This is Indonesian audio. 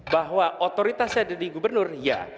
bahwa otoritas ada di gubernur ya